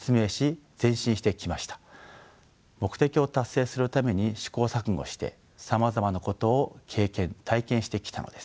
目的を達成するために試行錯誤してさまざまなことを経験体験してきたのです。